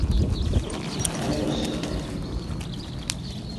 “Mo mosinapam himdo!”